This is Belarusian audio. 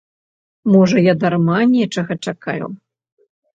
Можа, я дарма нечага чакаю.